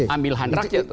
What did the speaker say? ambil handrak ya